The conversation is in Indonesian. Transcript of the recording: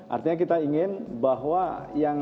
artinya kita ingin bahwa yang